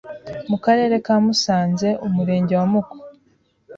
mu Karere Ka Musanze, Umurenge wa Muko,